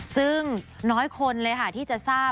ซึ่งน้อยคนเลยค่ะที่จะทราบ